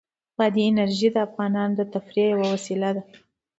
بادي انرژي د افغانانو د تفریح یوه وسیله ده.